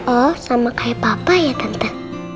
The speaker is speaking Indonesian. oh sama kayak papa ya kandang